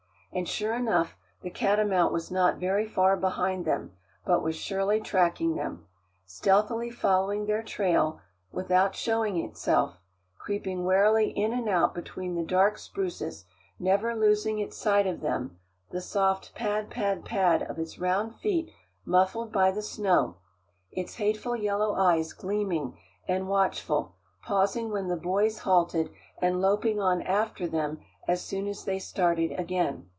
And sure enough, the catamount was not very far behind them, but was surely tracking them. Stealthily following their trail without showing itself, creeping warily in and out between the dark spruces, never losing its sight of them, the soft "pad, pad, pad" of its round feet muffled by the snow, its hateful yellow eyes gleaming and watchful, pausing when the boys halted, and loping on after them as soon as they started again.